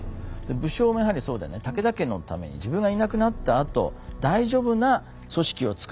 武将もやはりそうでね武田家のために自分がいなくなったあと大丈夫な組織をつくって自分は死んでいく。